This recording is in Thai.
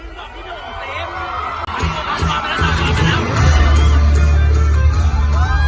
โคตรอายหรือโคตรคืนคงนั้นตายอย